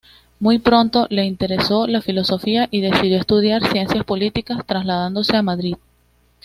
Muy pronto le interesó la filosofía y decidió estudiar Ciencias Políticas trasladándose a Madrid.